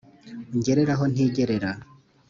ungerere aho ntigerera